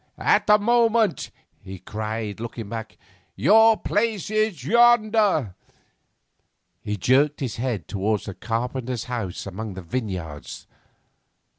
'At the moment,' he cried, looking back, 'your place is yonder.' He jerked his head towards the carpenter's house among the vineyards.